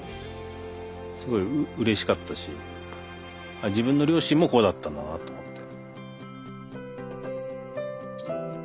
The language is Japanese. すごいうれしかったし自分の両親もこうだったんだなと思って。